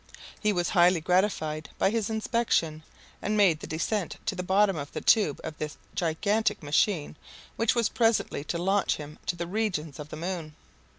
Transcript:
He was highly gratified by his inspection, and made the descent to the bottom of the tube of this gigantic machine which was presently to launch him to the regions of the moon.